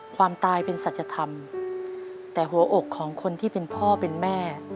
ความตายเป็นสัจธรรมแต่หัวอกของคนที่เป็นพ่อเป็นแม่